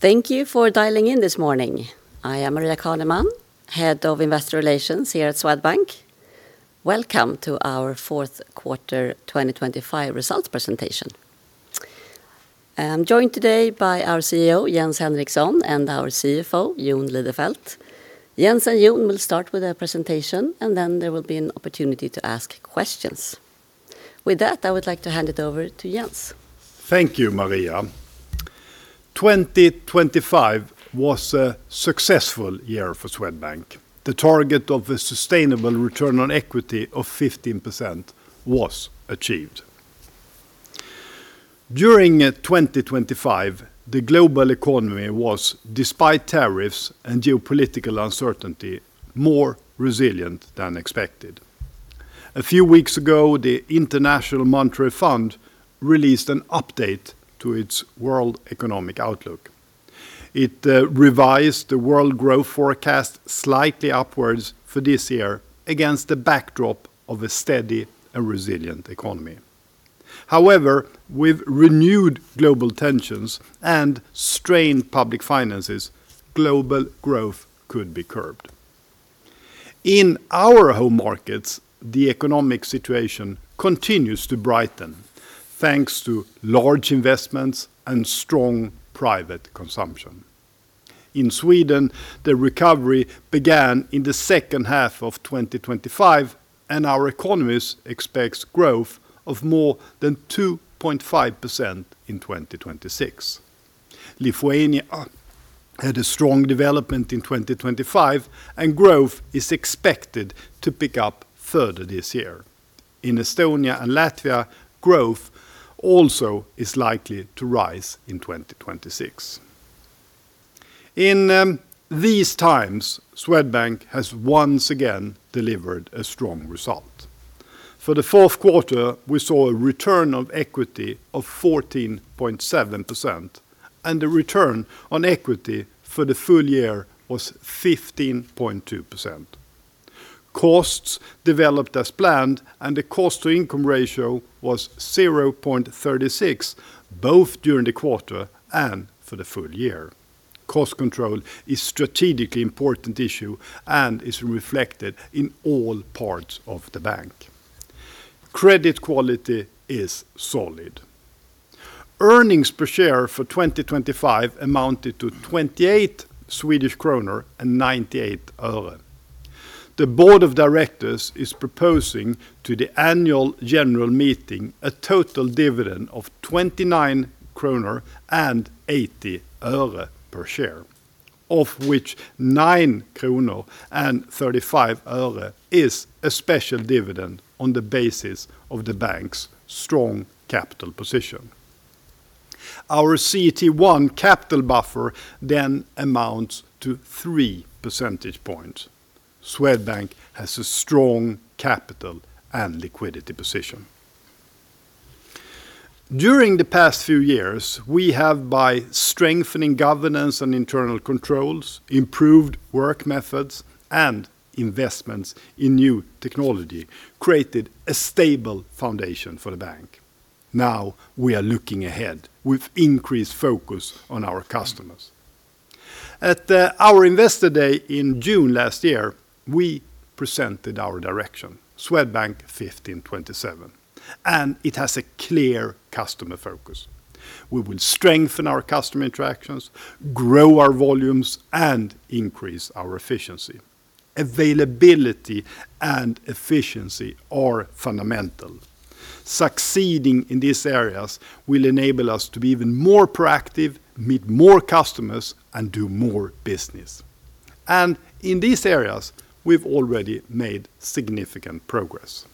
Thank you for dialing in this morning. I am Maria Caneman, Head of Investor Relations here at Swedbank. Welcome to our fourth quarter 2025 results presentation. I'm joined today by our CEO, Jens Henriksson, and our CFO, Jon Lidefelt. Jens and Jon will start with a presentation, and then there will be an opportunity to ask questions. With that, I would like to hand it over to Jens. Thank you, Maria. 2025 was a successful year for Swedbank. The target of a sustainable return on equity of 15% was achieved. During 2025, the global economy was, despite tariffs and geopolitical uncertainty, more resilient than expected. A few weeks ago, the International Monetary Fund released an update to its world economic outlook. It revised the world growth forecast slightly upwards for this year against the backdrop of a steady and resilient economy. However, with renewed global tensions and strained public finances, global growth could be curbed. In our home markets, the economic situation continues to brighten, thanks to large investments and strong private consumption. In Sweden, the recovery began in the second half of 2025, and our economist expects growth of more than 2.5% in 2026. Lithuania had a strong development in 2025, and growth is expected to pick up further this year. In Estonia and Latvia, growth also is likely to rise in 2026. In these times, Swedbank has once again delivered a strong result. For the fourth quarter, we saw a return on equity of 14.7%, and the return on equity for the full year was 15.2%. Costs developed as planned, and the cost-to-income ratio was 0.36, both during the quarter and for the full year. Cost control is a strategically important issue and is reflected in all parts of the bank. Credit quality is solid. Earnings per share for 2025 amounted to 28.98 Swedish kronor. The board of directors is proposing to the annual general meeting a total dividend of SEK 29.80 per share, of which SEK 9.35 is a special dividend on the basis of the bank's strong capital position. Our CET1 capital buffer then amounts to 3 percentage points. Swedbank has a strong capital and liquidity position. During the past few years, we have, by strengthening governance and internal controls, improved work methods, and investments in new technology, created a stable foundation for the bank. Now we are looking ahead with increased focus on our customers. At our Investor Day in June last year, we presented our direction, Swedbank 1527, and it has a clear customer focus. We will strengthen our customer interactions, grow our volumes, and increase our efficiency. Availability and efficiency are fundamental. Succeeding in these areas will enable us to be even more proactive, meet more customers, and do more business. In these areas, we've already made significant progress.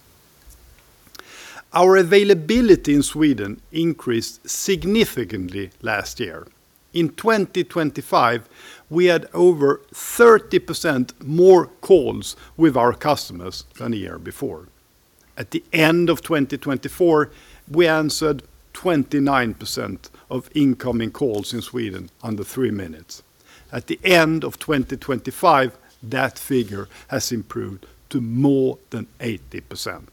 Our availability in Sweden increased significantly last year. In 2025, we had over 30% more calls with our customers than a year before. At the end of 2024, we answered 29% of incoming calls in Sweden under three minutes. At the end of 2025, that figure has improved to more than 80%.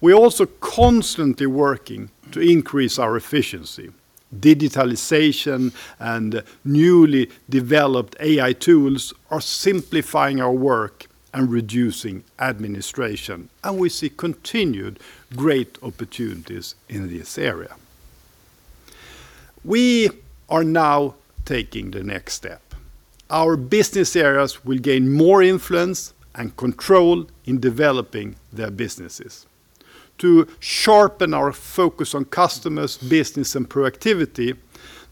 We are also constantly working to increase our efficiency. Digitalization and newly developed AI tools are simplifying our work and reducing administration, and we see continued great opportunities in this area. We are now taking the next step. Our business areas will gain more influence and control in developing their businesses. To sharpen our focus on customers, business, and productivity,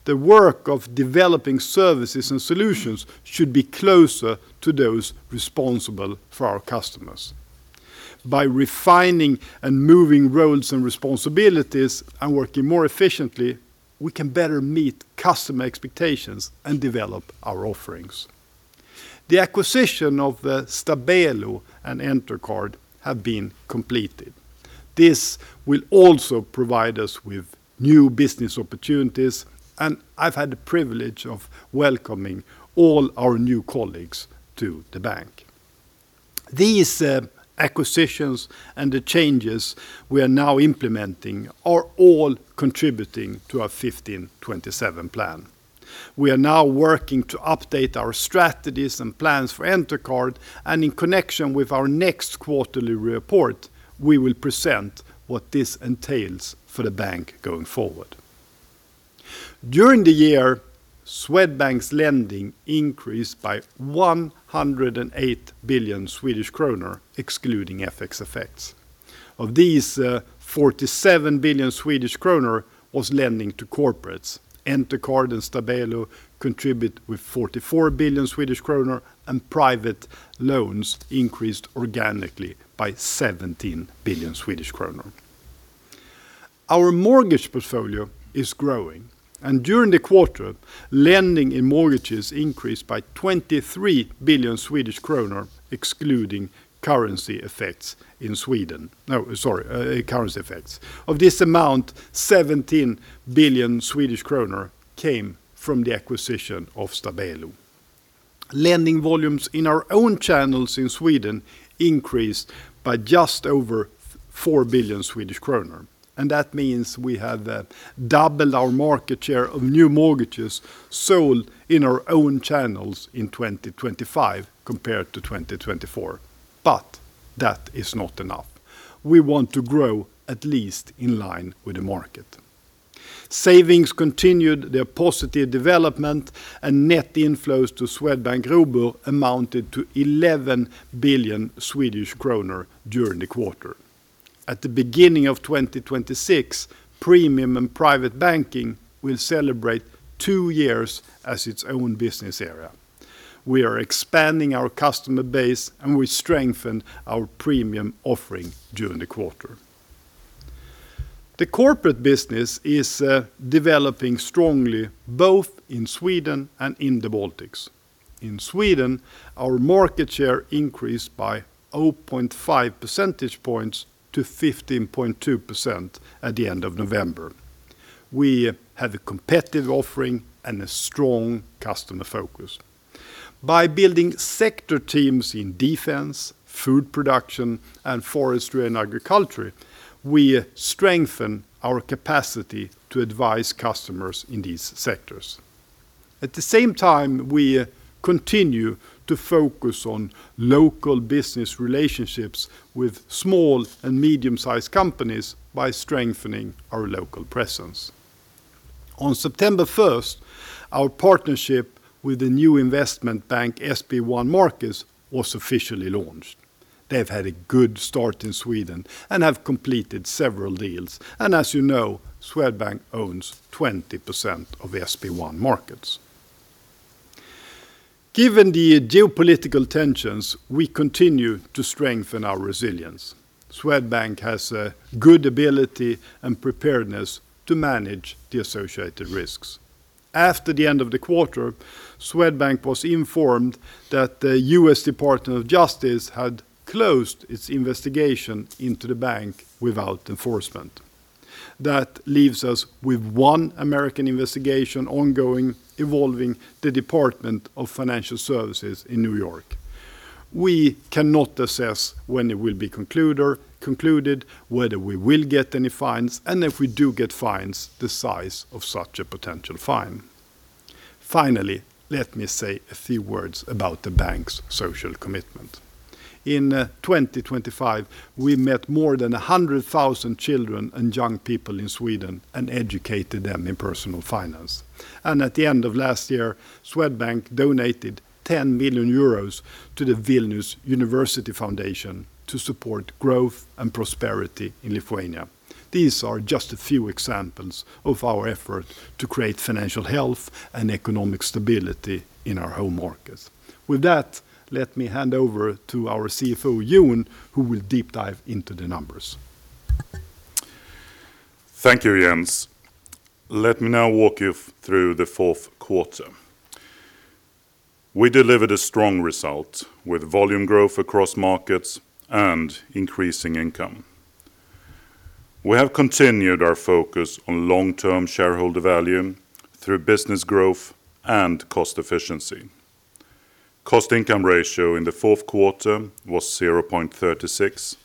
the work of developing services and solutions should be closer to those responsible for our customers. By refining and moving roles and responsibilities and working more efficiently, we can better meet customer expectations and develop our offerings. The acquisition of Stabelo and Entercard have been completed. This will also provide us with new business opportunities, and I've had the privilege of welcoming all our new colleagues to the bank. These acquisitions and the changes we are now implementing are all contributing to our 1527 plan. We are now working to update our strategies and plans for Entercard, and in connection with our next quarterly report, we will present what this entails for the bank going forward. During the year, Swedbank's lending increased by 108 billion Swedish kronor, excluding FX effects. Of these, 47 billion Swedish kronor was lending to corporates. Entercard and Stabelo contributed with 44 billion Swedish kronor, and private loans increased organically by 17 billion Swedish kronor. Our mortgage portfolio is growing, and during the quarter, lending in mortgages increased by 23 billion Swedish kronor, excluding currency effects in Sweden. No, sorry, currency effects. Of this amount, 17 billion Swedish kronor came from the acquisition of Stabelo. Lending volumes in our own channels in Sweden increased by just over 4 billion Swedish kronor, and that means we have doubled our market share of new mortgages sold in our own channels in 2025 compared to 2024. But that is not enough. We want to grow at least in line with the market. Savings continued their positive development, and net inflows to Swedbank Robur amounted to 11 billion Swedish kronor during the quarter. At the beginning of 2026, Premium and Private Banking will celebrate two years as its own business area. We are expanding our customer base, and we strengthened our premium offering during the quarter. The corporate business is developing strongly both in Sweden and in the Baltics. In Sweden, our market share increased by 0.5 percentage points to 15.2% at the end of November. We have a competitive offering and a strong customer focus. By building sector teams in defense, food production, and forestry and agriculture, we strengthen our capacity to advise customers in these sectors. At the same time, we continue to focus on local business relationships with small and medium-sized companies by strengthening our local presence. On September 1st, our partnership with the new investment bank, SB1 Markets, was officially launched. They've had a good start in Sweden and have completed several deals, and as you know, Swedbank owns 20% of SB1 Markets. Given the geopolitical tensions, we continue to strengthen our resilience. Swedbank has a good ability and preparedness to manage the associated risks. After the end of the quarter, Swedbank was informed that the US Department of Justice had closed its investigation into the bank without enforcement. That leaves us with one American investigation ongoing, involving the Department of Financial Services in New York. We cannot assess when it will be concluded, whether we will get any fines, and if we do get fines, the size of such a potential fine. Finally, let me say a few words about the bank's social commitment. In 2025, we met more than 100,000 children and young people in Sweden and educated them in personal finance. At the end of last year, Swedbank donated 10 million euros to the Vilnius University Foundation to support growth and prosperity in Lithuania. These are just a few examples of our effort to create financial health and economic stability in our home markets. With that, let me hand over to our CFO, Jon, who will deep dive into the numbers. Thank you, Jens. Let me now walk you through the fourth quarter. We delivered a strong result with volume growth across markets and increasing income. We have continued our focus on long-term shareholder value through business growth and cost efficiency. Cost-to-income ratio in the fourth quarter was 0.36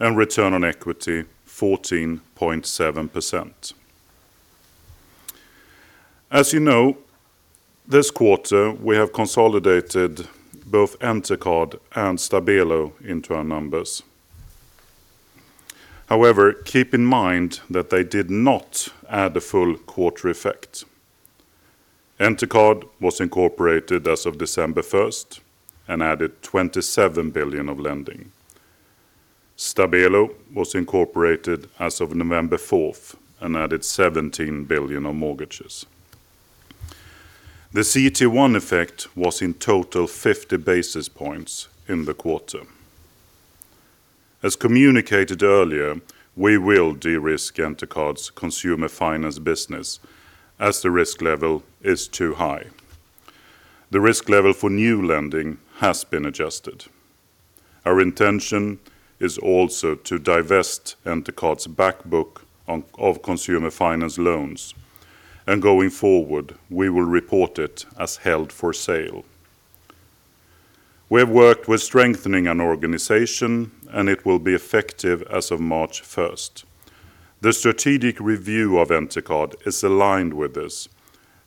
and return on equity 14.7%. As you know, this quarter, we have consolidated both Entercard and Stabelo into our numbers. However, keep in mind that they did not add a full quarter effect. Entercard was incorporated as of December 1st and added 27 billion of lending. Stabelo was incorporated as of November 4th and added 17 billion of mortgages. The CET1 effect was in total 50 basis points in the quarter. As communicated earlier, we will de-risk Entercard's consumer finance business as the risk level is too high. The risk level for new lending has been adjusted. Our intention is also to divest Entercard's backbook of consumer finance loans, and going forward, we will report it as held for sale. We have worked with strengthening an organization, and it will be effective as of March 1st. The strategic review of Entercard is aligned with this,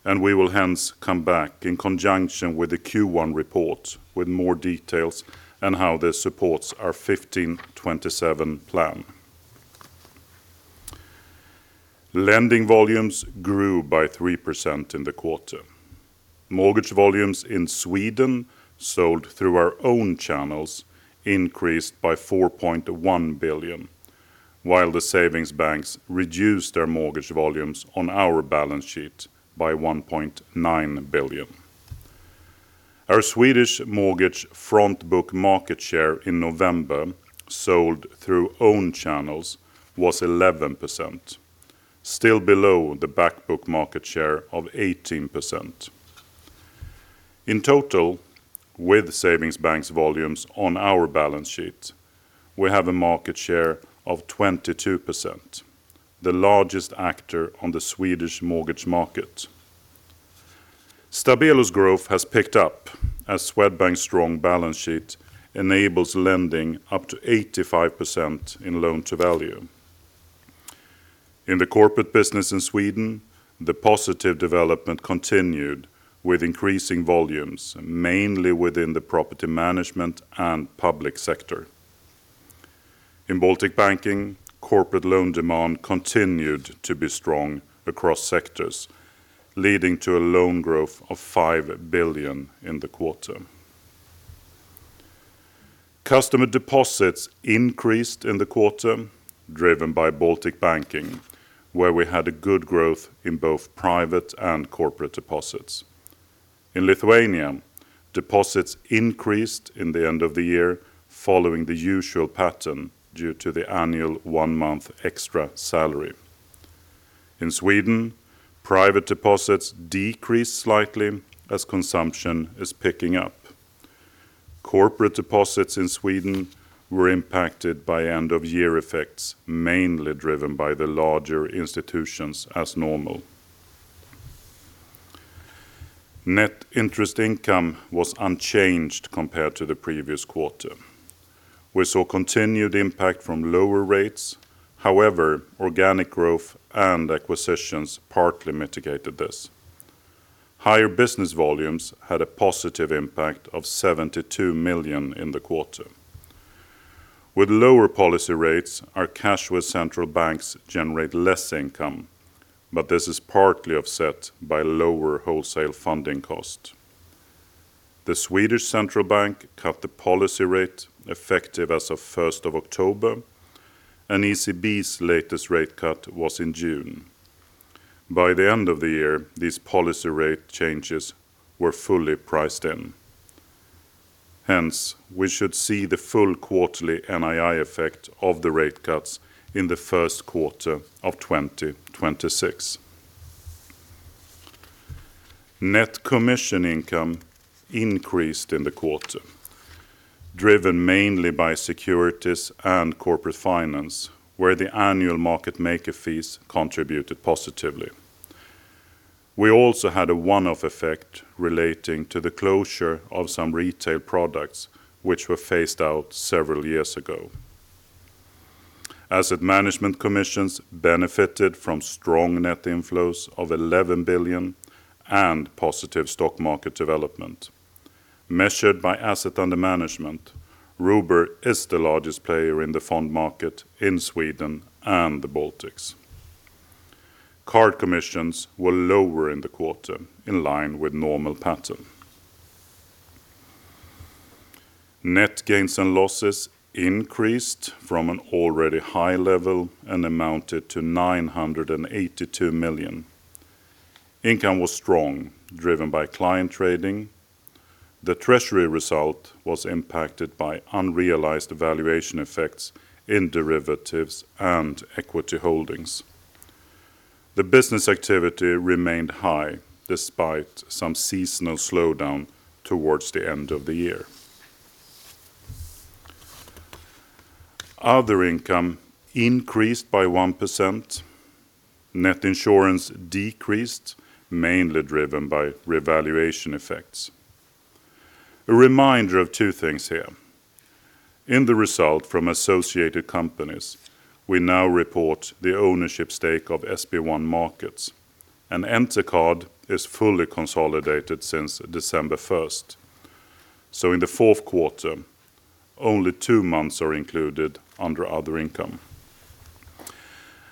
and we will hence come back in conjunction with the Q1 report with more details and how this supports our 1527 plan. Lending volumes grew by 3% in the quarter. Mortgage volumes in Sweden sold through our own channels increased by 4.1 billion, while the savings banks reduced their mortgage volumes on our balance sheet by 1.9 billion. Our Swedish mortgage frontbook market share in November sold through own channels was 11%, still below the backbook market share of 18%. In total, with savings banks volumes on our balance sheet, we have a market share of 22%, the largest actor on the Swedish mortgage market. Stabelo's growth has picked up as Swedbank's strong balance sheet enables lending up to 85% in loan-to-value. In the corporate business in Sweden, the positive development continued with increasing volumes, mainly within the property management and public sector. In Baltic banking, corporate loan demand continued to be strong across sectors, leading to a loan growth of 5 billion in the quarter. Customer deposits increased in the quarter, driven by Baltic banking, where we had a good growth in both private and corporate deposits. In Lithuania, deposits increased in the end of the year following the usual pattern due to the annual one-month extra salary. In Sweden, private deposits decreased slightly as consumption is picking up. Corporate deposits in Sweden were impacted by end-of-year effects, mainly driven by the larger institutions as normal. Net interest income was unchanged compared to the previous quarter. We saw continued impact from lower rates. However, organic growth and acquisitions partly mitigated this. Higher business volumes had a positive impact of 72 million in the quarter. With lower policy rates, our cash with central banks generate less income, but this is partly offset by lower wholesale funding costs. The Swedish central bank cut the policy rate effective as of 1 October, and ECB's latest rate cut was in June. By the end of the year, these policy rate changes were fully priced in. Hence, we should see the full quarterly NII effect of the rate cuts in the first quarter of 2026. Net commission income increased in the quarter, driven mainly by securities and corporate finance, where the annual market maker fees contributed positively. We also had a one-off effect relating to the closure of some retail products, which were phased out several years ago. Asset management commissions benefited from strong net inflows of 11 billion and positive stock market development. Measured by asset under management, Robur is the largest player in the fund market in Sweden and the Baltics. Card commissions were lower in the quarter, in line with normal pattern. Net gains and losses increased from an already high level and amounted to 982 million. Income was strong, driven by client trading. The treasury result was impacted by unrealized valuation effects in derivatives and equity holdings. The business activity remained high despite some seasonal slowdown towards the end of the year. Other income increased by 1%. Net insurance decreased, mainly driven by revaluation effects. A reminder of two things here. In the result from associated companies, we now report the ownership stake of SB1 Markets, and Entercard is fully consolidated since December 1st. So in the fourth quarter, only two months are included under other income.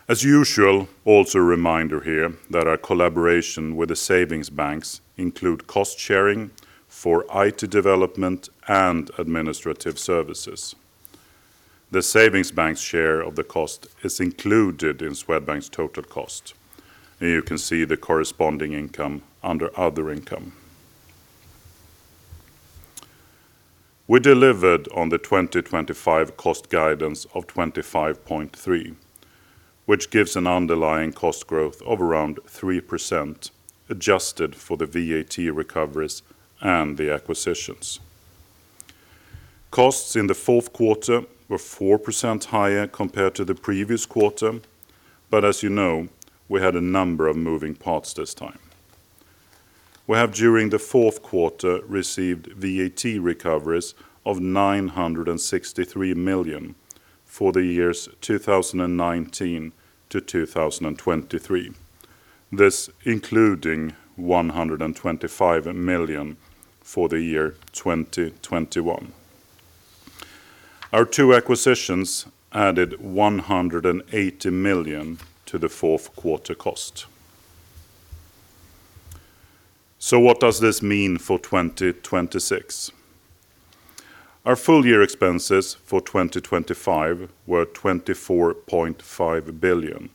As usual, also a reminder here that our collaboration with the savings banks includes cost sharing for IT development and administrative services. The savings bank's share of the cost is included in Swedbank's total cost, and you can see the corresponding income under other income. We delivered on the 2025 cost guidance of 25.3, which gives an underlying cost growth of around 3%, adjusted for the VAT recoveries and the acquisitions. Costs in the fourth quarter were 4% higher compared to the previous quarter, but as you know, we had a number of moving parts this time. We have, during the fourth quarter, received VAT recoveries of 963 million for the years 2019 to 2023, this including 125 million for the year 2021. Our two acquisitions added 180 million to the fourth quarter cost. So what does this mean for 2026? Our full year expenses for 2025 were 24.5 billion.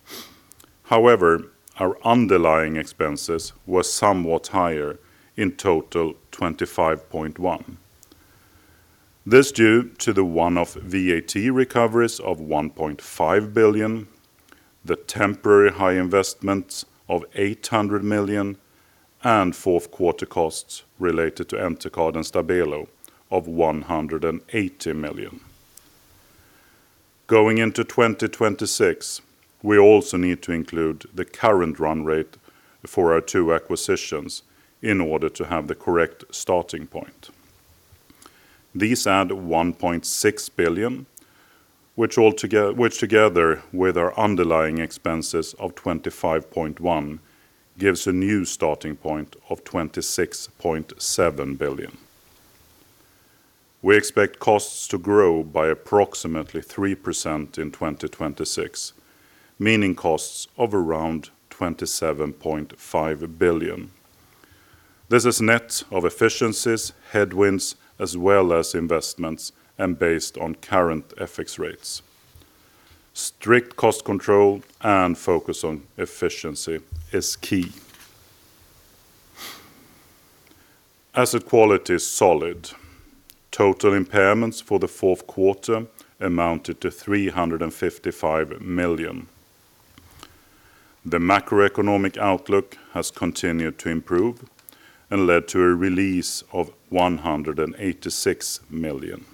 However, our underlying expenses were somewhat higher in total, 25.1 billion. This is due to the one-off VAT recoveries of 1.5 billion, the temporary high investments of 800 million, and fourth quarter costs related to Entercard and Stabelo of 180 million. Going into 2026, we also need to include the current run rate for our two acquisitions in order to have the correct starting point. These add 1.6 billion, which together with our underlying expenses of 25.1 billion gives a new starting point of 26.7 billion. We expect costs to grow by approximately 3% in 2026, meaning costs of around 27.5 billion. This is net of efficiencies, headwinds, as well as investments and based on current FX rates. Strict cost control and focus on efficiency is key. Asset quality is solid. Total impairments for the fourth quarter amounted to 355 million. The macroeconomic outlook has continued to improve and led to a release of 186 million.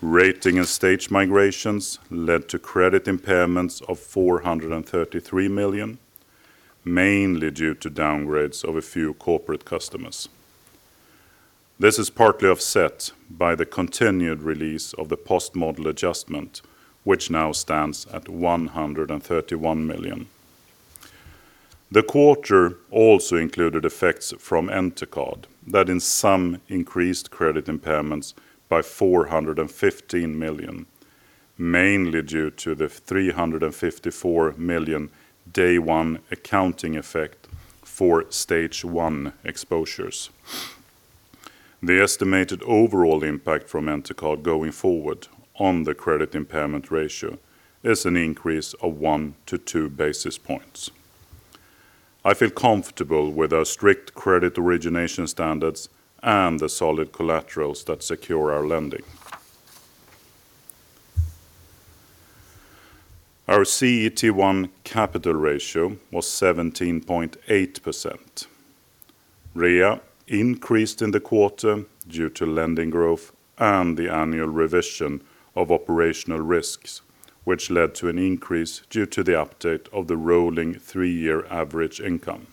Rating and stage migrations led to credit impairments of 433 million, mainly due to downgrades of a few corporate customers. This is partly offset by the continued release of the post-model adjustment, which now stands at 131 million. The quarter also included effects from Entercard that in some increased credit impairments by 415 million, mainly due to the 354 million day one accounting effect for stage one exposures. The estimated overall impact from Entercard going forward on the credit impairment ratio is an increase of 1-2 basis points. I feel comfortable with our strict credit origination standards and the solid collaterals that secure our lending. Our CET1 capital ratio was 17.8%. REA increased in the quarter due to lending growth and the annual revision of operational risks, which led to an increase due to the update of the rolling three-year average income.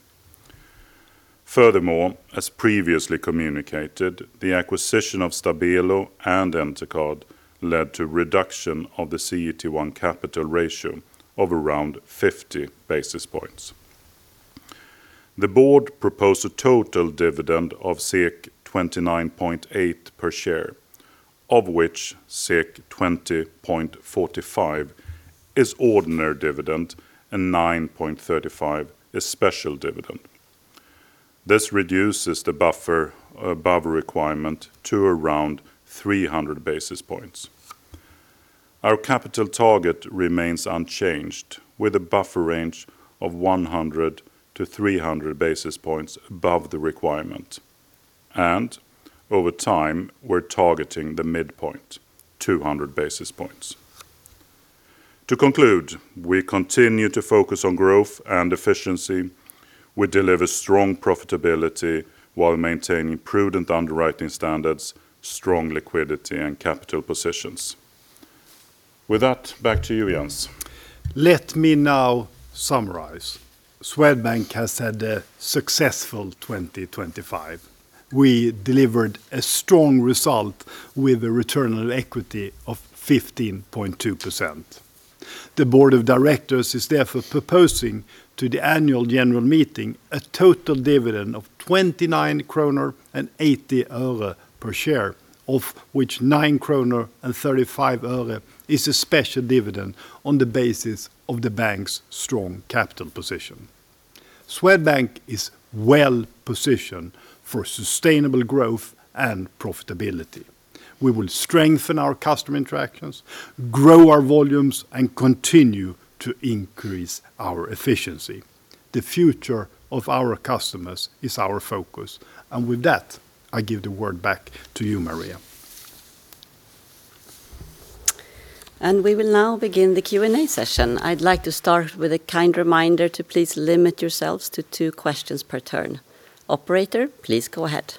Furthermore, as previously communicated, the acquisition of Stabelo and Entercard led to a reduction of the CET1 capital ratio of around 50 basis points. The board proposed a total dividend of 29.80 per share, of which 20.45 is ordinary dividend and 9.35 is special dividend. This reduces the buffer above requirement to around 300 basis points. Our capital target remains unchanged, with a buffer range of 100-300 basis points above the requirement, and over time we're targeting the midpoint, 200 basis points. To conclude, we continue to focus on growth and efficiency. We deliver strong profitability while maintaining prudent underwriting standards, strong liquidity, and capital positions. With that, back to you, Jens. Let me now summarize. Swedbank has had a successful 2025. We delivered a strong result with a return on equity of 15.2%. The board of directors is therefore proposing to the annual general meeting a total dividend of SEK 29.80 per share, of which SEK 9.35 is a special dividend on the basis of the bank's strong capital position. Swedbank is well positioned for sustainable growth and profitability. We will strengthen our customer interactions, grow our volumes, and continue to increase our efficiency. The future of our customers is our focus, and with that, I give the word back to you, Maria. We will now begin the Q&A session. I'd like to start with a kind reminder to please limit yourselves to two questions per turn. Operator, please go ahead.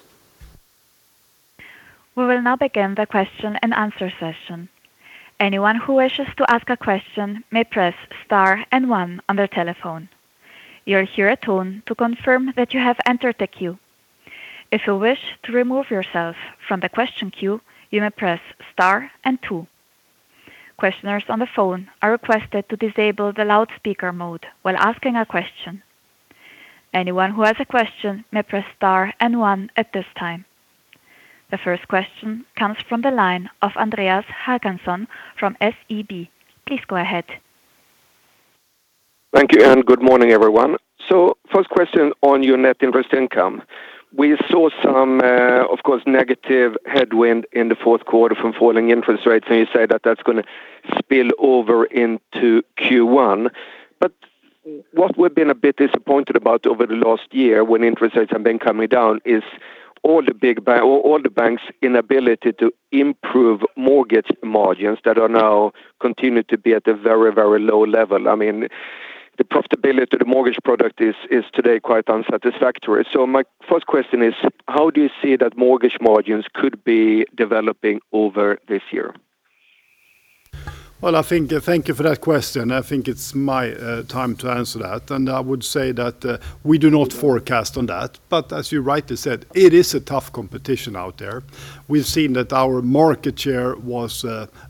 We will now begin the question and answer session. Anyone who wishes to ask a question may press star and one on their telephone. You'll hear a tone to confirm that you have entered the queue. If you wish to remove yourself from the question queue, you may press star and two. Questioners on the phone are requested to disable the loudspeaker mode while asking a question. Anyone who has a question may press star and one at this time. The first question comes from the line of Andreas Hakansson from SEB. Please go ahead. Thank you, Anne. Good morning, everyone. So first question on your net interest income. We saw some, of course, negative headwind in the fourth quarter from falling interest rates, and you say that that's going to spill over into Q1. But what we've been a bit disappointed about over the last year when interest rates have been coming down is all the big banks' inability to improve mortgage margins that are now continuing to be at a very, very low level. I mean, the profitability of the mortgage product is today quite unsatisfactory. So my first question is, how do you see that mortgage margins could be developing over this year? Well, I thank you for that question. I think it's my time to answer that, and I would say that we do not forecast on that. But as you rightly said, it is a tough competition out there. We've seen that our market share was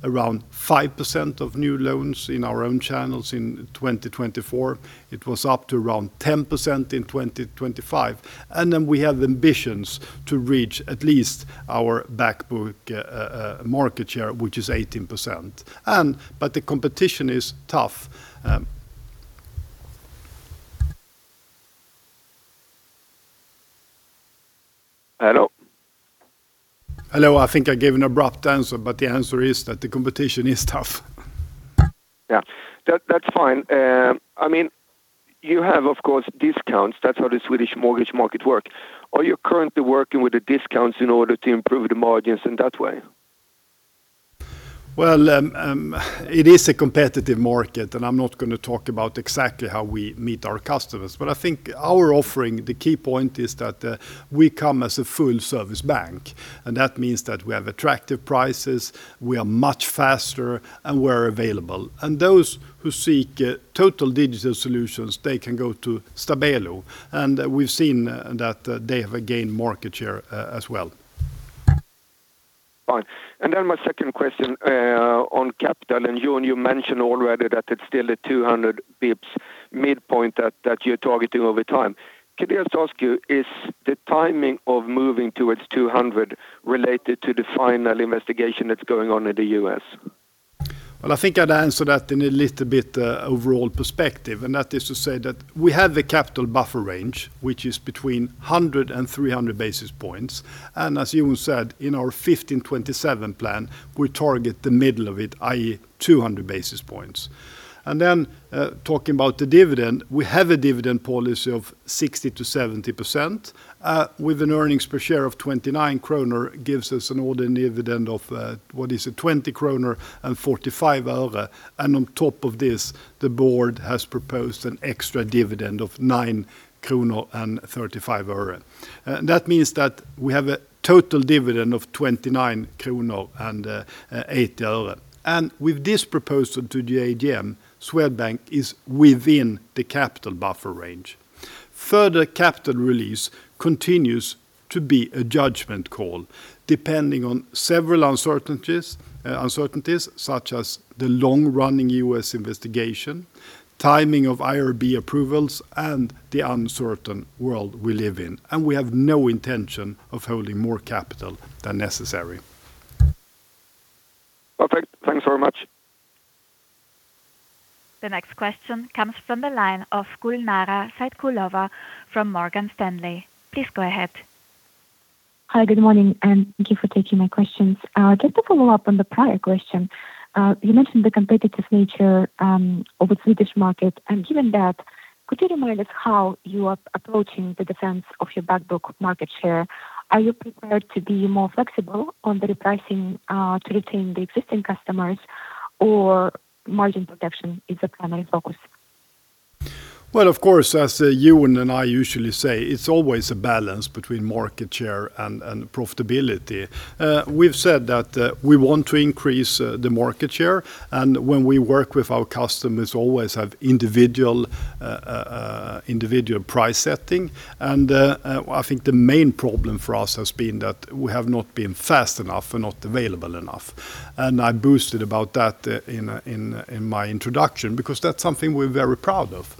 around 5% of new loans in our own channels in 2024. It was up to around 10% in 2025. And then we have ambitions to reach at least our backbook market share, which is 18%. But the competition is tough. Hello? Hello. I think I gave an abrupt answer, but the answer is that the competition is tough. Yeah, that's fine. I mean, you have, of course, discounts. That's how the Swedish mortgage market works. Are you currently working with the discounts in order to improve the margins in that way? Well, it is a competitive market, and I'm not going to talk about exactly how we meet our customers. But I think our offering, the key point is that we come as a full-service bank, and that means that we have attractive prices, we are much faster, and we're available. And those who seek total digital solutions, they can go to Stabelo, and we've seen that they have gained market share as well. Fine. And then my second question on capital, and you mentioned already that it's still the 200 basis points midpoint that you're targeting over time. Can I just ask you, is the timing of moving towards 200 related to the final investigation that's going on in the U.S.? Well, I think I'd answer that in a little bit overall perspective, and that is to say that we have a capital buffer range, which is between 100 and 300 basis points. And as you said, in our 1527 plan, we target the middle of it, i.e., 200 basis points. Then talking about the dividend, we have a dividend policy of 60%-70% with an earnings per share of 29 kronor, gives us an ordinary dividend of, what is it, SEK 20.45. On top of this, the board has proposed an extra dividend of SEK 9.35. That means that we have a total dividend of SEK 29.80. With this proposal to the AGM, Swedbank is within the capital buffer range. Further capital release continues to be a judgment call depending on several uncertainties, such as the long-running U.S. investigation, timing of IRB approvals, and the uncertain world we live in. We have no intention of holding more capital than necessary. Perfect. Thanks very much. The next question comes from the line of Gulnara Saitkulova from Morgan Stanley. Please go ahead. Hi, good morning, and thank you for taking my questions. Just to follow up on the prior question, you mentioned the competitive nature of the Swedish market. Given that, could you remind us how you are approaching the defense of your backbook market share? Are you prepared to be more flexible on the repricing to retain the existing customers, or margin protection is the primary focus? Well, of course, as you and I usually say, it's always a balance between market share and profitability. We've said that we want to increase the market share, and when we work with our customers, always have individual price setting. I think the main problem for us has been that we have not been fast enough and not available enough. I boasted about that in my introduction because that's something we're very proud of.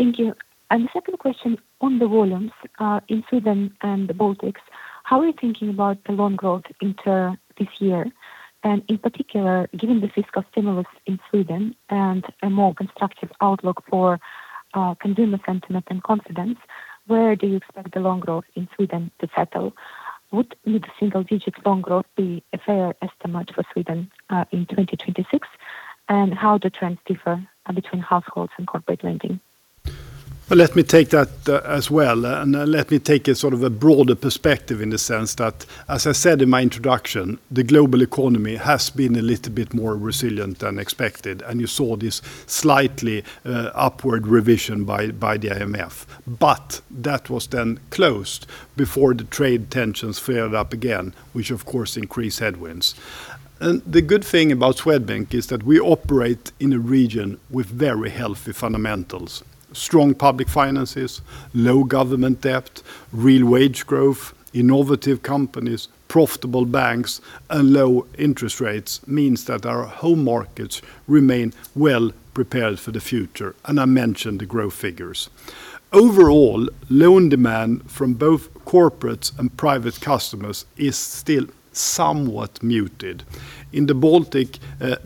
Thank you. And the second question on the volumes in Sweden and the Baltics, how are you thinking about the loan growth into this year? And in particular, given the fiscal stimulus in Sweden and a more constructive outlook for consumer sentiment and confidence, where do you expect the loan growth in Sweden to settle? Would the single-digit loan growth be a fair estimate for Sweden in 2026? And how do trends differ between households and corporate lending? Well, let me take that as well, and let me take a sort of a broader perspective in the sense that, as I said in my introduction, the global economy has been a little bit more resilient than expected, and you saw this slightly upward revision by the IMF. But that was then closed before the trade tensions flared up again, which of course increased headwinds. And the good thing about Swedbank is that we operate in a region with very healthy fundamentals: strong public finances, low government debt, real wage growth, innovative companies, profitable banks, and low interest rates means that our home markets remain well prepared for the future. And I mentioned the growth figures. Overall, loan demand from both corporates and private customers is still somewhat muted. In the Baltic,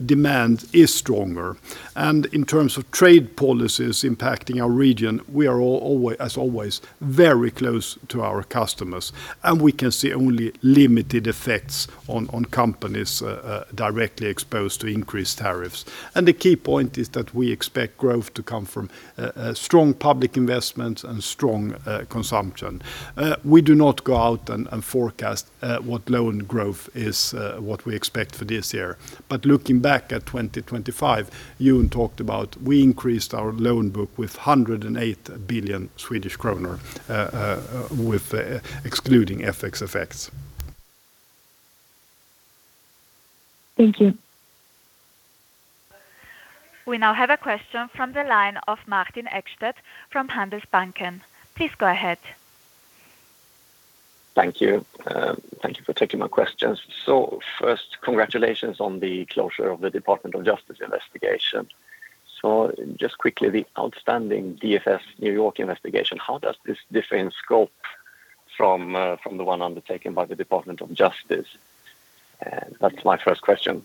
demand is stronger. And in terms of trade policies impacting our region, we are always, as always, very close to our customers, and we can see only limited effects on companies directly exposed to increased tariffs. And the key point is that we expect growth to come from strong public investments and strong consumption. We do not go out and forecast what loan growth is, what we expect for this year. But looking back at 2025, you talked about we increased our loan book with 108 billion Swedish kronor, excluding FX effects. Thank you. We now have a question from the line of Martin Ekstedt from Handelsbanken. Please go ahead. Thank you. Thank you for taking my questions. So first, congratulations on the closure of the Department of Justice investigation. Just quickly, the outstanding DFS New York investigation, how does this differ in scope from the one undertaken by the Department of Justice? That's my first question.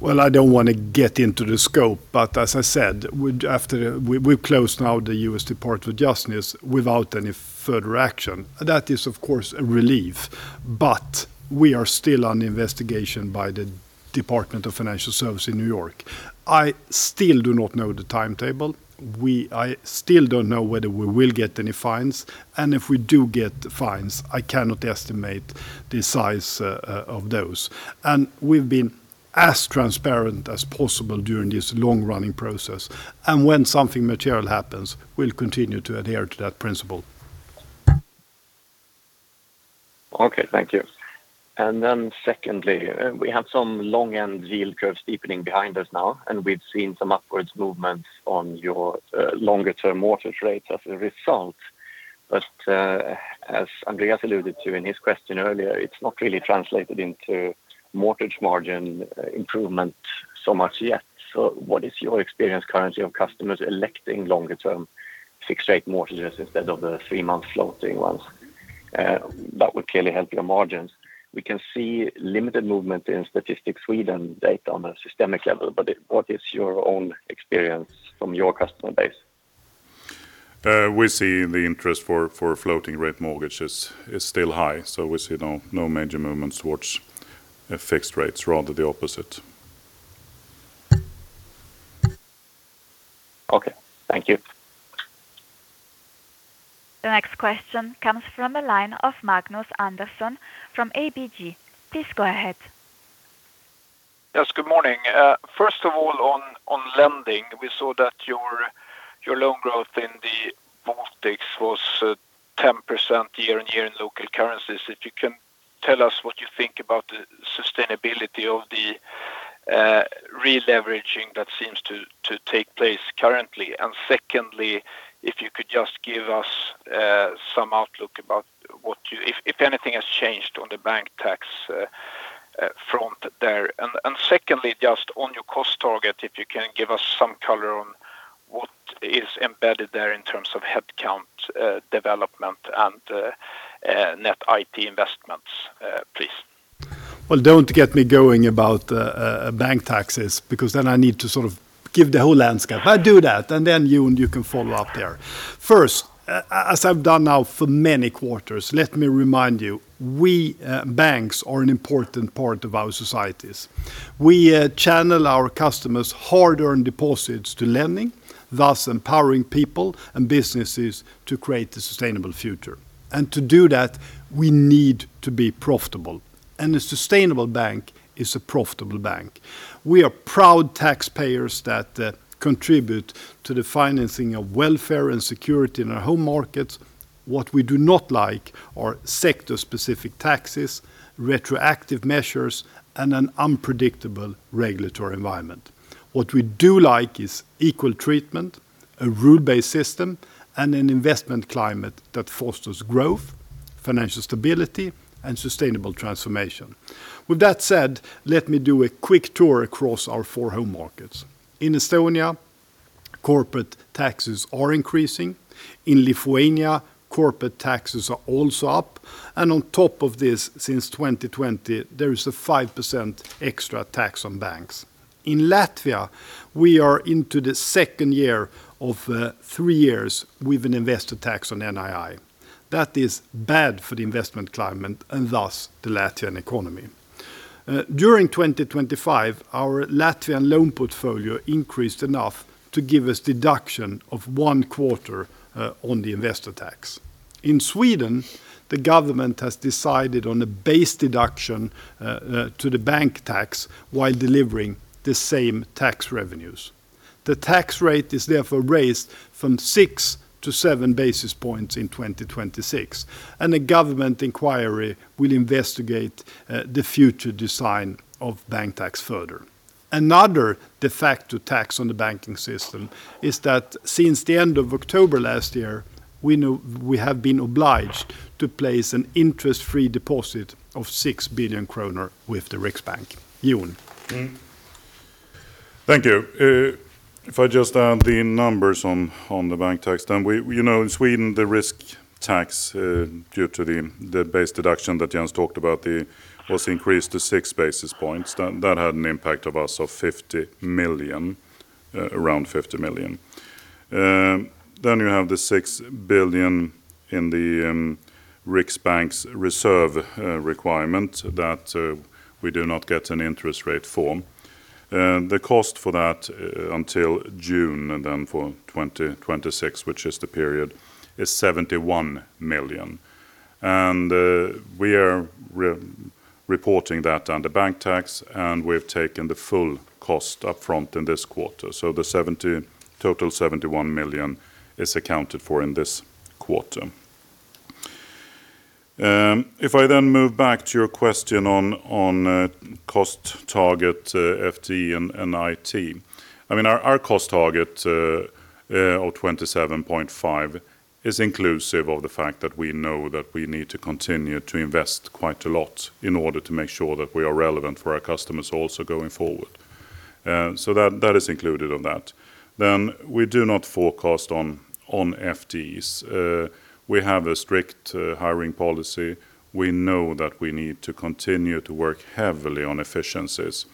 Well, I don't want to get into the scope, but as I said, we've closed now the U.S. Department of Justice without any further action. That is, of course, a relief, but we are still under investigation by the Department of Financial Services in New York. I still do not know the timetable. I still don't know whether we will get any fines, and if we do get fines, I cannot estimate the size of those. We've been as transparent as possible during this long-running process. When something material happens, we'll continue to adhere to that principle. Okay, thank you. And then secondly, we have some long-end yield curve steepening behind us now, and we've seen some upwards movements on your longer-term mortgage rates as a result. But as Andreas alluded to in his question earlier, it's not really translated into mortgage margin improvement so much yet. So what is your experience currently of customers electing longer-term fixed-rate mortgages instead of the three-month floating ones that would clearly help your margins? We can see limited movement in Statistics Sweden data on a systemic level, but what is your own experience from your customer base? We see the interest for floating-rate mortgages is still high, so we see no major movements towards fixed rates, rather the opposite. Okay, thank you. The next question comes from the line of Magnus Andersson from ABG. Please go ahead. Yes, good morning. First of all, on lending, we saw that your loan growth in the Baltics was 10% year-over-year in local currencies. If you can tell us what you think about the sustainability of the re-leveraging that seems to take place currently? And secondly, if you could just give us some outlook about what you, if anything has changed on the bank tax front there? And secondly, just on your cost target, if you can give us some color on what is embedded there in terms of headcount development and net IT investments, please? Well, don't get me going about bank taxes because then I need to sort of give the whole landscape. I do that, and then you can follow up there. First, as I've done now for many quarters, let me remind you, we banks are an important part of our societies. We channel our customers' hard-earned deposits to lending, thus empowering people and businesses to create a sustainable future. And to do that, we need to be profitable, and a sustainable bank is a profitable bank. We are proud taxpayers that contribute to the financing of welfare and security in our home markets. What we do not like are sector-specific taxes, retroactive measures, and an unpredictable regulatory environment. What we do like is equal treatment, a rule-based system, and an investment climate that fosters growth, financial stability, and sustainable transformation. With that said, let me do a quick tour across our four home markets. In Estonia, corporate taxes are increasing. In Lithuania, corporate taxes are also up. And on top of this, since 2020, there is a 5% extra tax on banks. In Latvia, we are into the second year of three years with an investor tax on NII. That is bad for the investment climate and thus the Latvian economy. During 2025, our Latvian loan portfolio increased enough to give us a deduction of one quarter on the investor tax. In Sweden, the government has decided on a base deduction to the bank tax while delivering the same tax revenues. The tax rate is therefore raised from six to seven basis points in 2026, and a government inquiry will investigate the future design of bank tax further. Another de facto tax on the banking system is that since the end of October last year, we have been obliged to place an interest-free deposit of 6 billion kronor with the Riksbank. Jon? Thank you. If I just add the numbers on the bank tax, then in Sweden, the risk tax due to the base deduction that Jens talked about was increased to six basis points. That had an impact on us of 50 million, around 50 million. Then you have the 6 billion in the Riksbank's reserve requirement that we do not get an interest rate for. The cost for that until June then for 2026, which is the period, is 71 million. And we are reporting that under bank tax, and we've taken the full cost upfront in this quarter. The total 71 million is accounted for in this quarter. If I then move back to your question on cost target, FTE and IT, our cost target of 27.5 is inclusive of the fact that we know that we need to continue to invest quite a lot in order to make sure that we are relevant for our customers also going forward. That is included on that. We do not forecast on FTEs. We have a strict hiring policy. We know that we need to continue to work heavily on efficiencies.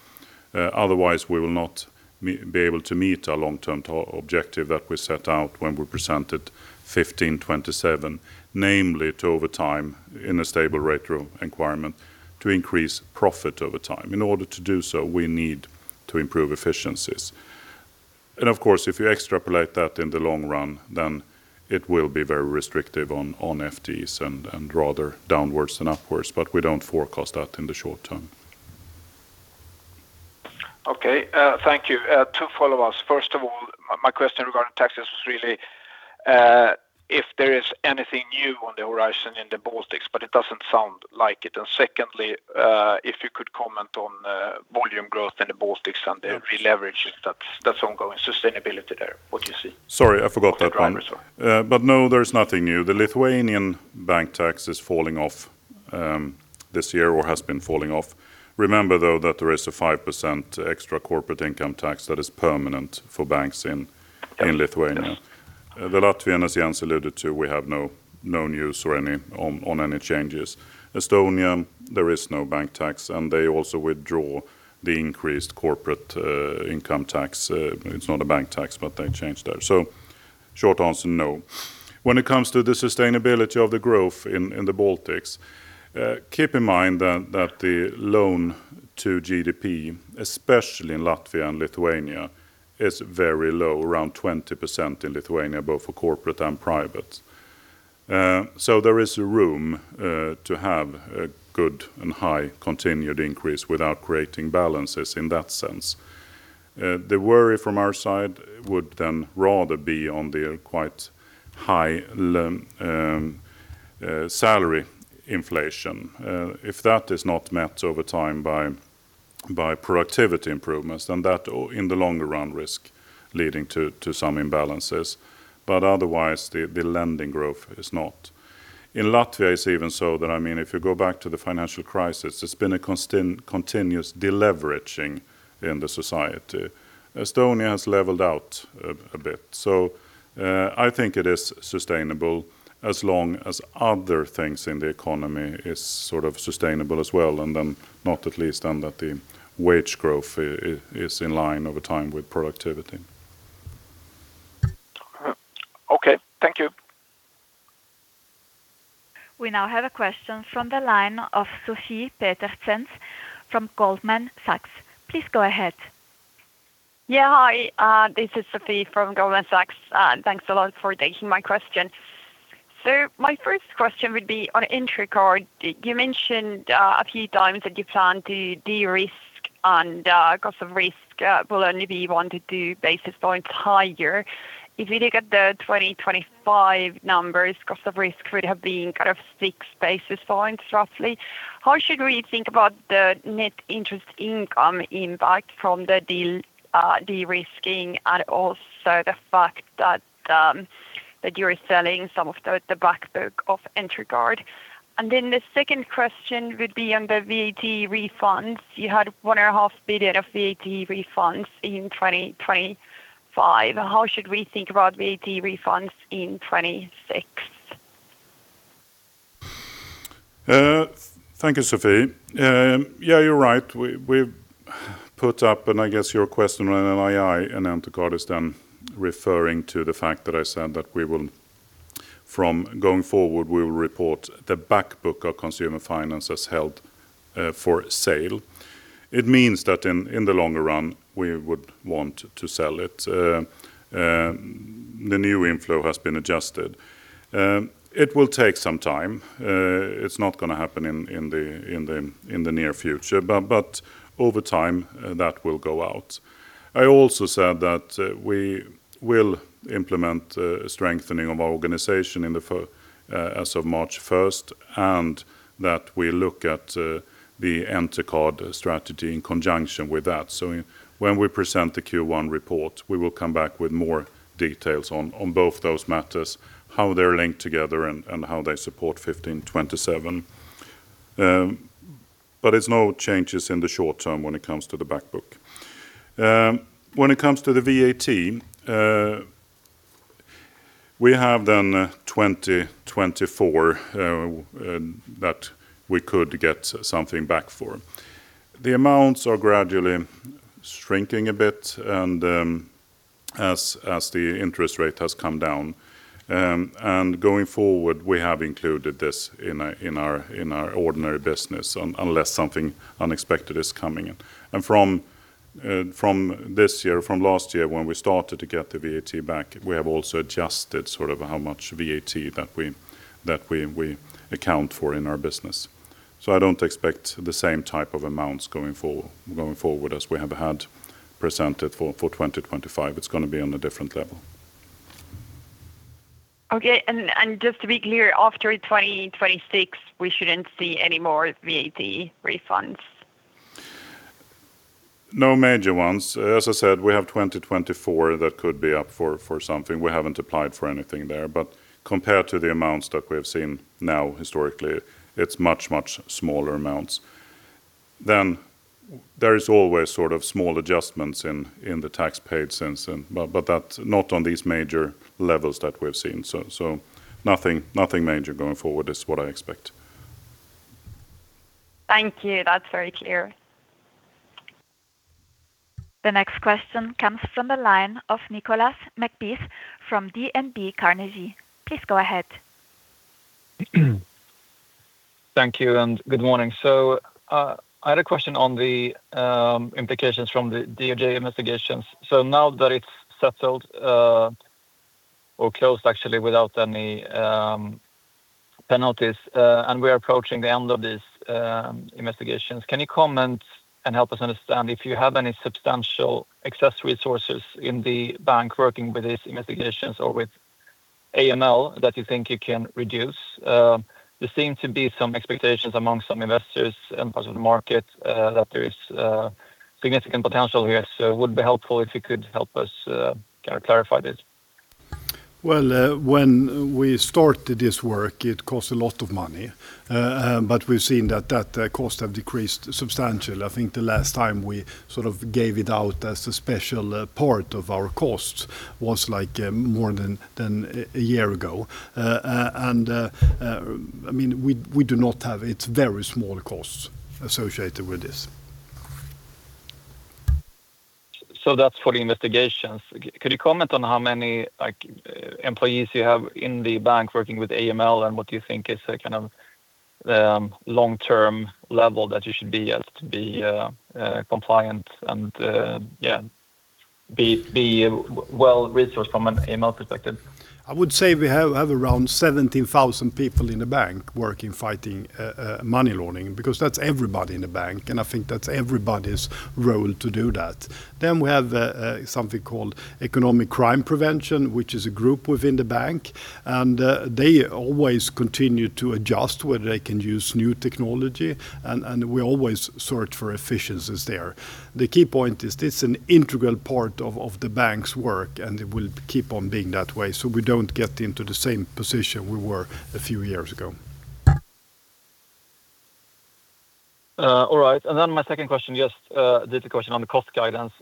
Otherwise, we will not be able to meet our long-term objective that we set out when we presented 1527, namely to, over time, in a stable rate requirement to increase profit over time. In order to do so, we need to improve efficiencies. And of course, if you extrapolate that in the long run, then it will be very restrictive on FTEs and rather downwards than upwards, but we don't forecast that in the short term. Okay, thank you. Two follow-ups. First of all, my question regarding taxes was really if there is anything new on the horizon in the Baltics, but it doesn't sound like it. And secondly, if you could comment on volume growth in the Baltics and the re-leveraging that's ongoing, sustainability there, what do you see? Sorry, I forgot that one. But no, there's nothing new. The Lithuanian bank tax is falling off this year or has been falling off. Remember though that there is a 5% extra corporate income tax that is permanent for banks in Lithuania. The Latvian, as Jens alluded to, we have no news on any changes. Estonia, there is no bank tax, and they also withdraw the increased corporate income tax. It's not a bank tax, but they changed that. So short answer, no. When it comes to the sustainability of the growth in the Baltics, keep in mind that the loan to GDP, especially in Latvia and Lithuania, is very low, around 20% in Lithuania, both for corporate and private. So there is room to have a good and high continued increase without creating balances in that sense. The worry from our side would then rather be on the quite high salary inflation. If that is not met over time by productivity improvements, then that in the longer run risk leading to some imbalances. But otherwise, the lending growth is not. In Latvia, it's even so that, I mean, if you go back to the financial crisis, there's been a continuous deleveraging in the society. Estonia has leveled out a bit. So I think it is sustainable as long as other things in the economy are sort of sustainable as well, and then not at least on that the wage growth is in line over time with productivity. Okay, thank you. We now have a question from the line of Sophie Petersen from Goldman Sachs. Please go ahead. Yeah, hi, this is Sophie from Goldman Sachs. Thanks a lot for taking my question. So my first question would be on Entercard. You mentioned a few times that you plan to de-risk, and cost of risk will only be 1-2 basis points higher. If you look at the 2025 numbers, cost of risk would have been kind of 6 basis points roughly. How should we think about the net interest income impact from the de-risking and also the fact that you're selling some of the backbook of Entercard? And then the second question would be on the VAT refunds. You had 1.5 billion of VAT refunds in 2025. How should we think about VAT refunds in 2026? Thank you, Sophie. Yeah, you're right. We put up, and I guess your question on NII and Entercard is then referring to the fact that I said from going forward, we will report the backbook of consumer finances held for sale. It means that in the longer run, we would want to sell it. The new inflow has been adjusted. It will take some time. It's not going to happen in the near future, but over time, that will go out. I also said that we will implement a strengthening of our organization as of March 1st and that we look at the Entercard strategy in conjunction with that. When we present the Q1 report, we will come back with more details on both those matters, how they're linked together and how they support 1527. But there's no changes in the short term when it comes to the backbook. When it comes to the VAT, we have then 2024 that we could get something back for. The amounts are gradually shrinking a bit as the interest rate has come down. Going forward, we have included this in our ordinary business unless something unexpected is coming. From this year, from last year, when we started to get the VAT back, we have also adjusted sort of how much VAT that we account for in our business. So I don't expect the same type of amounts going forward as we have had presented for 2025. It's going to be on a different level. Okay, and just to be clear, after 2026, we shouldn't see any more VAT refunds? No major ones. As I said, we have 2024 that could be up for something. We haven't applied for anything there, but compared to the amounts that we have seen now historically, it's much, much smaller amounts. Then there is always sort of small adjustments in the tax paid since, but that's not on these major levels that we've seen. So nothing major going forward is what I expect. Thank you. That's very clear. The next question comes from the line of Nicolas McBeath from DNB Carnegie. Please go ahead. Thank you and good morning. So I had a question on the implications from the DOJ investigations. So now that it's settled or closed actually without any penalties, and we are approaching the end of these investigations, can you comment and help us understand if you have any substantial excess resources in the bank working with these investigations or with AML that you think you can reduce? There seem to be some expectations among some investors and parts of the market that there is significant potential here. So it would be helpful if you could help us kind of clarify this. Well, when we started this work, it cost a lot of money, but we've seen that that cost has decreased substantially. I think the last time we sort of gave it out as a special part of our costs was like more than a year ago. And I mean, we do not have; it's very small costs associated with this. So that's for the investigations. Could you comment on how many employees you have in the bank working with AML and what do you think is a kind of long-term level that you should be at to be compliant and, yeah, be well-resourced from an AML perspective? I would say we have around 17,000 people in the bank working fighting money laundering because that's everybody in the bank, and I think that's everybody's role to do that. Then we have something called economic crime prevention, which is a group within the bank, and they always continue to adjust whether they can use new technology, and we always search for efficiencies there. The key point is this is an integral part of the bank's work, and it will keep on being that way so we don't get into the same position we were a few years ago. All right. And then my second question, just a little question on the cost guidance.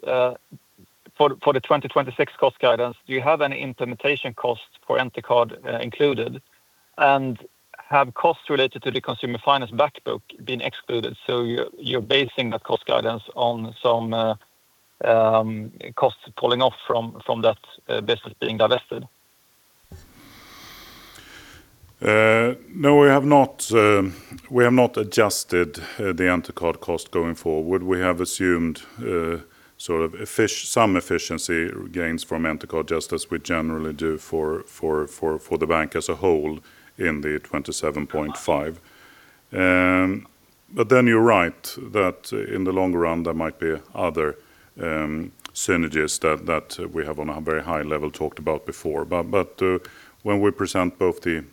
For the 2026 cost guidance, do you have any implementation costs for Entercard included? And have costs related to the consumer finance backbook been excluded? So you're basing that cost guidance on some costs pulling off from that business being divested? No, we have not adjusted the Entercard cost going forward. We have assumed sort of some efficiency gains from Entercard, just as we generally do for the bank as a whole in the 27.5. But then you're right that in the long run, there might be other synergies that we have on a very high level talked about before. But when we present both the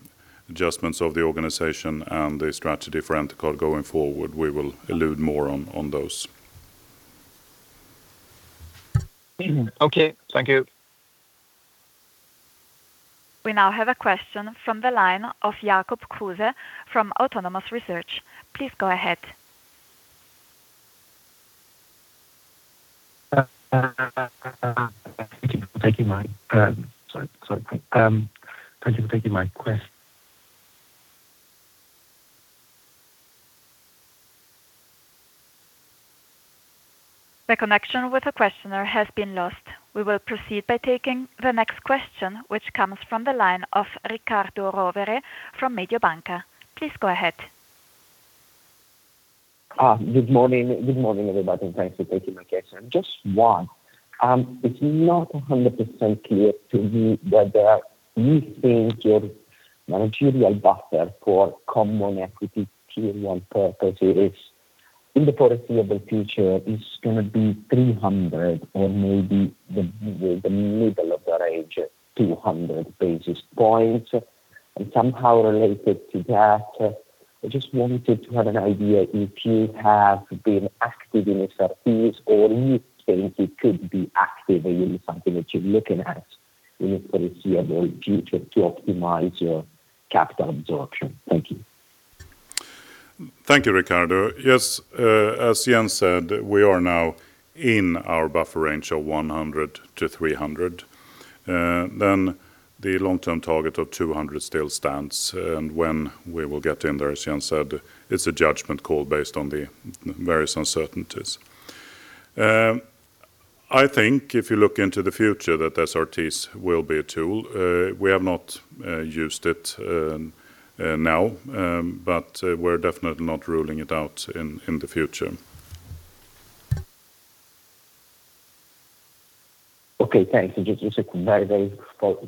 adjustments of the organization and the strategy for Entercard going forward, we will allude more on those. Okay, thank you. We now have a question from the line of Jacob Kruse from Autonomous Research. Please go ahead. Thank you for taking my question. Thank you for taking my question. The connection with the questioner has been lost. We will proceed by taking the next question, which comes from the line of Riccardo Rovere from Mediobanca. Please go ahead. Good morning, everybody. Thanks for taking my question. Just one. It's not 100% clear to me that you think your managerial buffer for common equity tier one purposes in the foreseeable future is going to be 300 or maybe the middle of the range of 200 basis points. And somehow related to that, I just wanted to have an idea if you have been active in SRTs or you think you could be active in something that you're looking at in the foreseeable future to optimize your capital absorption. Thank you. Thank you, Riccardo. Yes, as Jens said, we are now in our buffer range of 100-300. Then the long-term target of 200 still stands, and when we will get in there, as Jens said, it's a judgment call based on the various uncertainties. I think if you look into the future that SRTs will be a tool. We have not used it now, but we're definitely not ruling it out in the future. Okay, thanks. It's just a very, very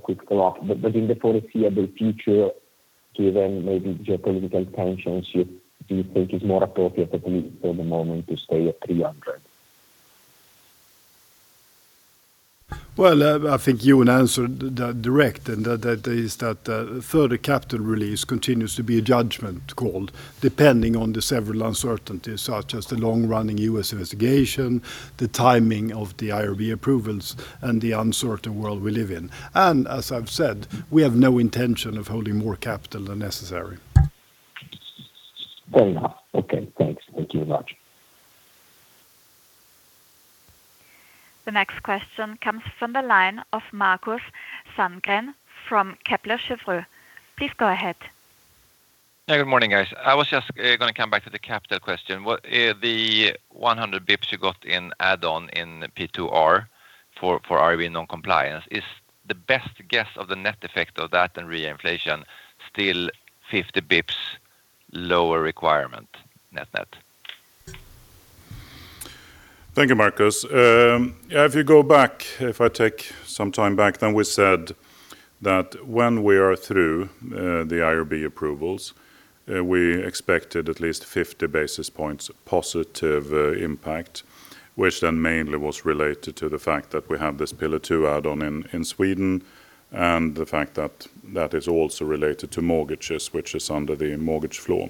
quick follow-up. But in the foreseeable future, given maybe geopolitical tensions, do you think it's more appropriate for the moment to stay at 300? Well, I think you answered direct, and that is that further capital release continues to be a judgment call depending on the several uncertainties such as the long-running U.S. investigation, the timing of the IRB approvals, and the uncertain world we live in. And as I've said, we have no intention of holding more capital than necessary. Very nice. Okay, thanks. Thank you very much. The next question comes from the line of Markus Sandgren from Kepler Cheuvreux. Please go ahead. Yeah, good morning, guys. I was just going to come back to the capital question. The 100 basis points you got in add-on in P2R for IRB non-compliance, is the best guess of the net effect of that and reinflation still 50 basis points lower requirement net-net? Thank you, Markus. Yeah, if you go back, if I take some time back, then we said that when we are through the IRB approvals, we expected at least 50 basis points positive impact, which then mainly was related to the fact that we have this Pillar 2 add-on in Sweden and the fact that that is also related to mortgages, which is under the mortgage floor.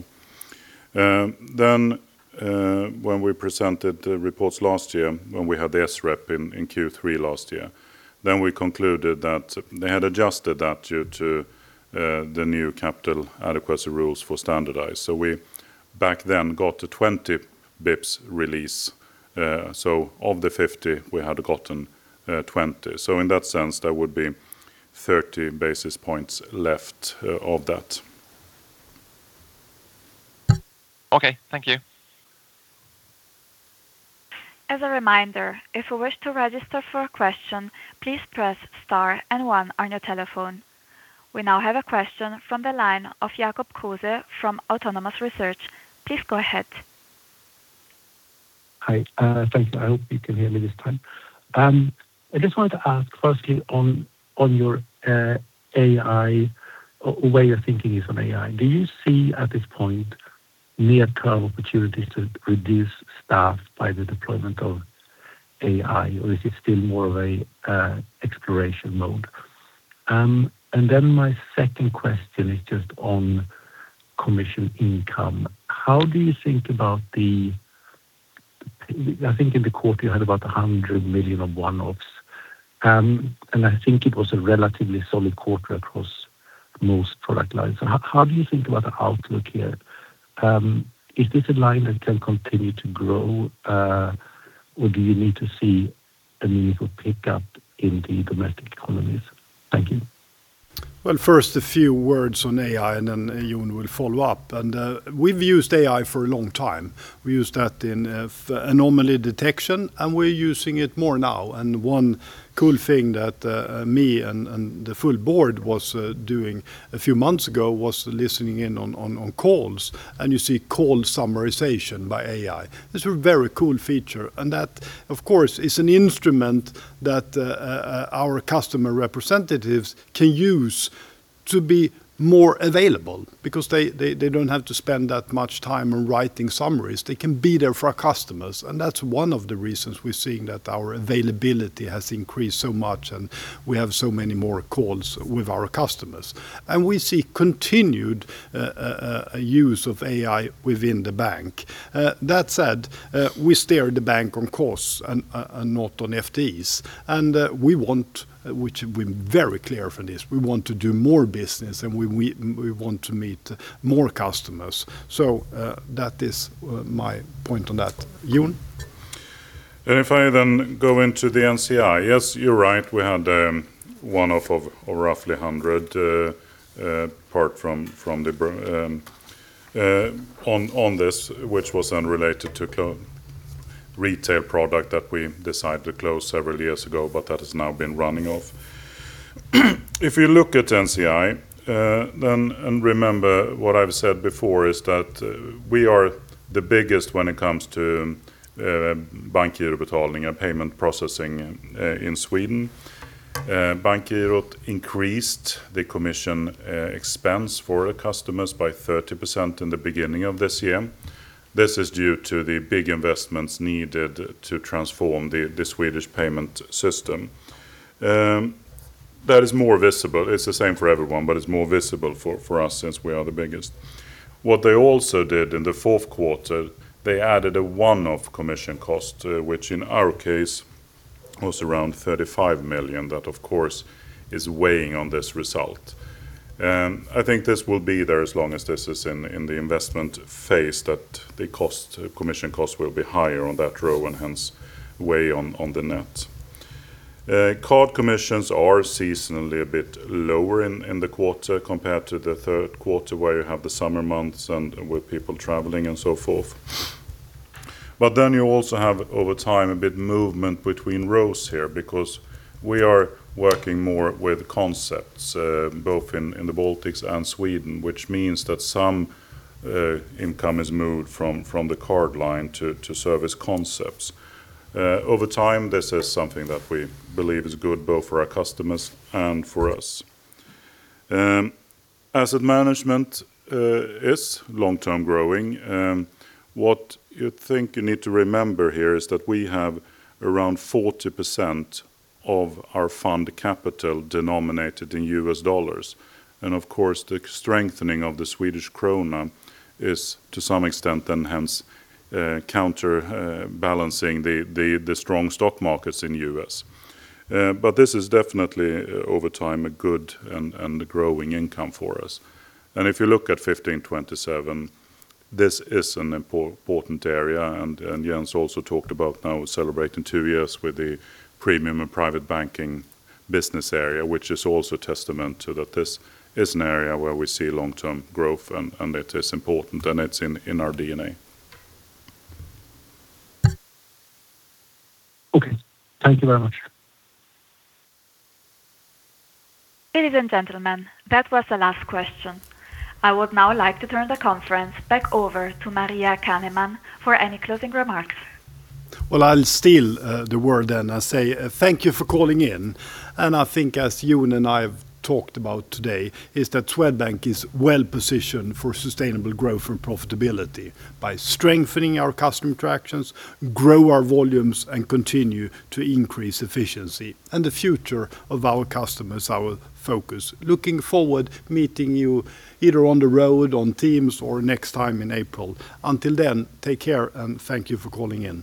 Then when we presented the reports last year, when we had the SREP in Q3 last year, then we concluded that they had adjusted that due to the new capital adequacy rules for standardized. So we back then got a 20 basis points release. So of the 50, we had gotten 20. So in that sense, there would be 30 basis points left of that. Okay, thank you. As a reminder, if you wish to register for a question, please press star and one on your telephone. We now have a question from the line of Jacob Kruse from Autonomous Research. Please go ahead. Hi, thank you. I hope you can hear me this time. I just wanted to ask firstly on your AI, where your thinking is on AI. Do you see at this point near-term opportunities to reduce staff by the deployment of AI, or is it still more of an exploration mode? And then my second question is just on commission income. How do you think about the, I think in the quarter you had about 100 million of one-offs, and I think it was a relatively solid quarter across most product lines. How do you think about the outlook here? Is this a line that can continue to grow, or do you need to see a meaningful pickup in the domestic economies? Thank you. Well, first a few words on AI, and then Jon will follow up. We've used AI for a long time. We used that in anomaly detection, and we're using it more now. One cool thing that me and the full board was doing a few months ago was listening in on calls, and you see call summarization by AI. This is a very cool feature, and that, of course, is an instrument that our customer representatives can use to be more available because they don't have to spend that much time on writing summaries. They can be there for our customers, and that's one of the reasons we're seeing that our availability has increased so much and we have so many more calls with our customers. We see continued use of AI within the bank. That said, we steer the bank on costs and not on FTEs, and we want, which we're very clear for this, we want to do more business and we want to meet more customers. So that is my point on that. Jon? And if I then go into the NCI, yes, you're right. We had one-off of roughly 100 apart from the on this, which was then related to retail product that we decided to close several years ago, but that has now been running off. If you look at NCI, then and remember what I've said before is that we are the biggest when it comes to Bankgirobetalning and payment processing in Sweden. Bankgirot increased the commission expense for our customers by 30% in the beginning of this year. This is due to the big investments needed to transform the Swedish payment system. That is more visible. It's the same for everyone, but it's more visible for us since we are the biggest. What they also did in the fourth quarter, they added a one-off commission cost, which in our case was around 35 million. That, of course, is weighing on this result. I think this will be there as long as this is in the investment phase that the commission costs will be higher on that row and hence weigh on the net. Card commissions are seasonally a bit lower in the quarter compared to the third quarter where you have the summer months and with people traveling and so forth. But then you also have over time a bit of movement between rows here because we are working more with concepts both in the Baltics and Sweden, which means that some income is moved from the card line to service concepts. Over time, this is something that we believe is good both for our customers and for us. Asset management is long-term growing. What you think you need to remember here is that we have around 40% of our fund capital denominated in U.S. dollars. And of course, the strengthening of the Swedish krona is to some extent then hence counterbalancing the strong stock markets in the U.S. But this is definitely over time a good and growing income for us. And if you look at 1527, this is an important area. And Jens also talked about now celebrating two years with the Premium and Private Banking business area, which is also a testament to that this is an area where we see long-term growth and it is important and it's in our DNA. Okay, thank you very much. Ladies and gentlemen, that was the last question. I would now like to turn the conference back over to Maria Caneman for any closing remarks. Well, I'll steal the word then and say thank you for calling in. And I think as Jon and I have talked about today is that Swedbank is well positioned for sustainable growth and profitability by strengthening our customer interactions, grow our volumes, and continue to increase efficiency. And the future of our customers I will focus. Looking forward to meeting you either on the road, on Teams, or next time in April. Until then, take care and thank you for calling in.